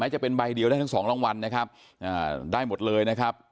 จะเป็นใบเดียวได้ทั้งสองรางวัลนะครับได้หมดเลยนะครับ